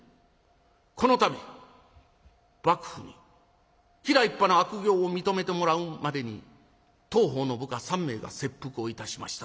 この度幕府に吉良一派の悪行を認めてもらうまでに当方の部下３名が切腹をいたしました。